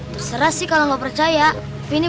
terserah sih kalau nggak percaya ini